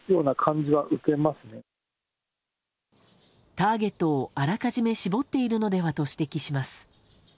ターゲットをあらかじめ絞っているのではと指摘します。